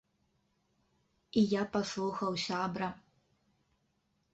І я паслухаў сябра.